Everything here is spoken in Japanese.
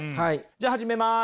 じゃあ始めます。